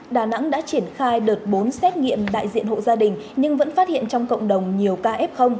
đà nẵng đã triển khai đợt bốn xét nghiệm đại diện hộ gia đình nhưng vẫn phát hiện trong cộng đồng nhiều ca f